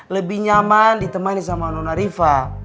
lebih nyaman ditemani sama nona riva